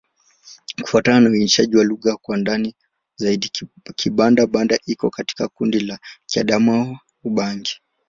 Kufuatana na uainishaji wa lugha kwa ndani zaidi, Kibanda-Banda iko katika kundi la Kiadamawa-Ubangi.